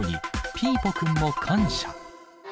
ピーポくんも感謝。